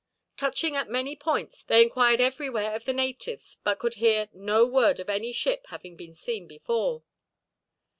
Touching at many points, they inquired everywhere of the natives, but could hear no word of any ship having been seen before.